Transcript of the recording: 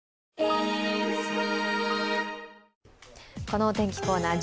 このお天気コーナー